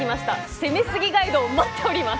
攻めすぎガイドを待っております！